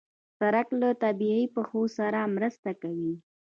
سړک له طبیعي پېښو سره مرسته کوي.